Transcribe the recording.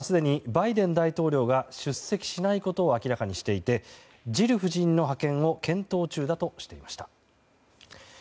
ホワイトハウスはすでにバイデン大統領が出席しないことを明らかにしていてジル夫人の派遣を検討中だとしていました。